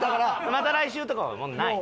「また来週」とかない。